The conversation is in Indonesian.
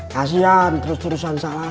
kasian terus terusan salah